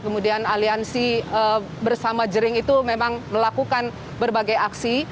kemudian aliansi bersama jering itu memang melakukan berbagai aksi